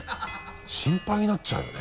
心配になっちゃうよね。